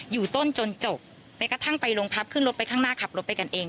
อยู่ต้นจนจบแม้กระทั่งไปโรงพักขึ้นรถไปข้างหน้าขับรถไปกันเอง